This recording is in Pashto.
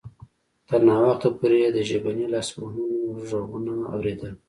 تر ناوخته پورې یې د ژبني لاسوهنو غږونه اوریدل